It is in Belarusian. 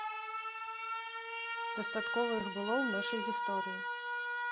Дастаткова іх было ў нашай гісторыі.